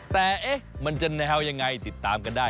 แต่มันจะแนวยังไงติดตามกันได้